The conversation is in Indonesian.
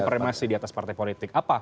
remasi di atas partai politik